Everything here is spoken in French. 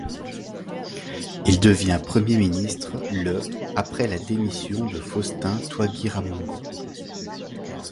Il devient Premier ministre le après la démission de Faustin Twagiramungu.